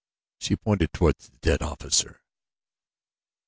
She pointed toward the dead officer.